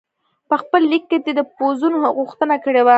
په خپل لیک کې دې د پوځونو غوښتنه کړې وه.